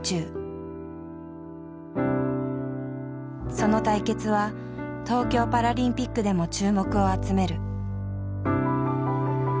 その対決は東京パラリンピックでも注目を集める。